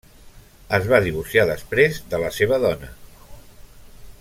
Es va divorciar després de la seva dona.